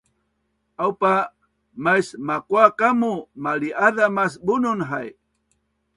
Aupa, mais makua kamu mali-aza mas bunun hai